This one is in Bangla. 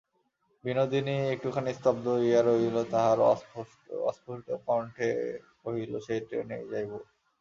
বিনোদিনী একটুখানি স্তব্ধ হইয়া রহিল, তাহার পরে অস্ফুটকণ্ঠে কহিল, সেই ট্রেনেই যাইব।